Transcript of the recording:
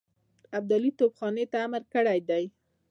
ابدالي توپخانې ته امر کړی دی.